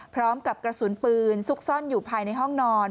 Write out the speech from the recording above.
พร้อมกับกระสุนปืนซุกซ่อนอยู่ภายในห้องนอน